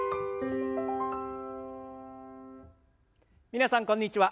皆さんこんにちは。